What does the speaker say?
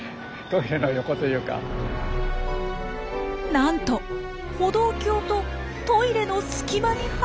なんと歩道橋とトイレの隙間に挟まれています。